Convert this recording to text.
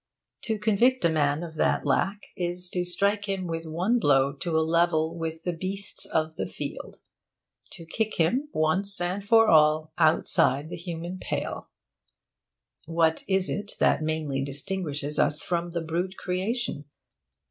To convict a man of that lack is to strike him with one blow to a level with the beasts of the field to kick him, once and for all, outside the human pale. What is it that mainly distinguishes us from the brute creation?